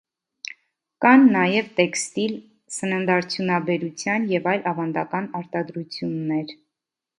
Կան նաև տեքստիլ, սննարդյունաբերության և այլ ավանդական արտադրություններ։